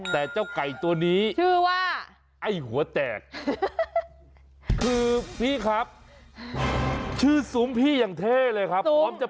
แต่เจ้าไก่ตัวนี้ชื่อว่า